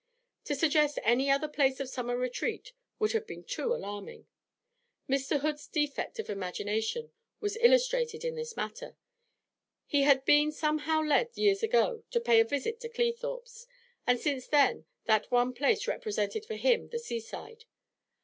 To suggest any other place of summer retreat would have been too alarming. Mr. Hood's defect of imagination was illustrated in this matter; he had been somehow led, years ago, to pay a visit to Cleethorpes, and since then that one place represented for him the seaside.